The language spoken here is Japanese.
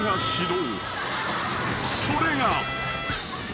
［それが］